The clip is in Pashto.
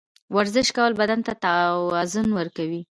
ورزش کول بدن ته توازن ورکوي.